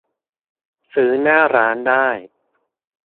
ซื้อหน้าร้านได้